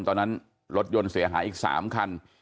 ตอนนั้นรถยนต์เสียหายอีก๓คัน